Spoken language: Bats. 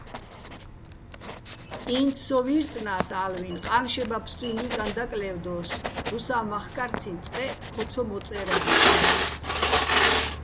ინც სო ვი́რწნა́ს ალვინ, ყა́ნშება ფსტუჲნო̆ ჲიკაჼ დაკლე́ვდო́ს, რუსა́ მახკარციჼ წყეჸ ქო ცო მოწე́რადიენდა́ს.